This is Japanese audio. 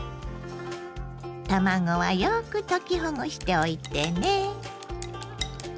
卵はよく溶きほぐしておいてね。